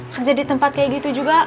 kerja di tempat kayak gitu juga